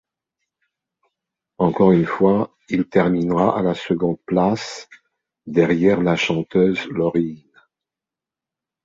Encore une fois, il terminera à la seconde place, derrière la chanteuse Loreen.